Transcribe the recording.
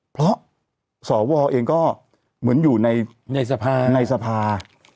เพราะสอวอเองก็เหมือนอยู่ในสภา